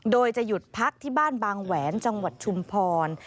โดยจะหยุดพักที่บ้านบางแหวนจังหวัดชุมพร